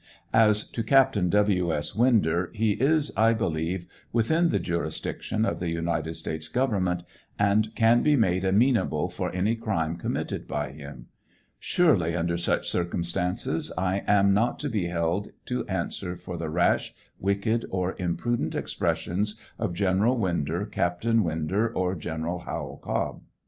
As to Captain W. 8. Winder, he is, I believe, within the jurisdiction of the United States government, and can be made amenable for any crime committed by him. Surely, under H. Ex. Doc. 23 45 706 TRIAL OF HENRY WIRZ. such circumstances, I ain not to be held to answer for the rash, wicked, or im prudent expressions of General Winder, Captain Winder, or General Howel Cobb.